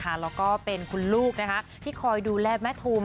แล้วก็เป็นคุณลูกที่คอยดูแลแม่ทุม